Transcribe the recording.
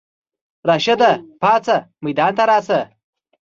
راشده پاڅه ميدان ته راشه!